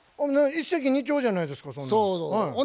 一石二鳥じゃないですかそんなん。